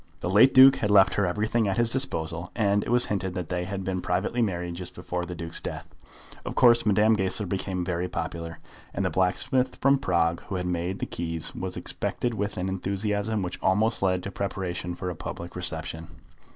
The late Duke had left her everything at his disposal, and, it was hinted that they had been privately married just before the Duke's death. Of course Madame Goesler became very popular, and the blacksmith from Prague who had made the key was expected with an enthusiasm which almost led to preparation for a public reception.